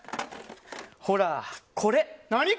ほら、これ。